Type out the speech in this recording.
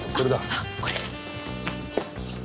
あっこれですね。